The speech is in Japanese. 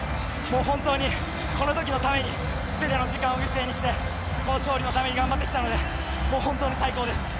本当にこの時のために全ての時間を犠牲にしてこの勝利のために頑張ってきたのでもう本当に最高です！